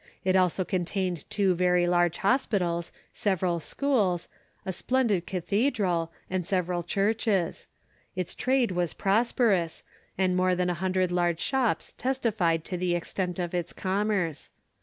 It also contained two very large hospitals, several schools, a splendid cathedral, and several churches. Its trade was prosperous, and more than a hundred large shops testified to the extent of its commerce.